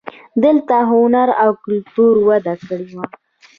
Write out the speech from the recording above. دلته هنر او کلتور وده کړې وه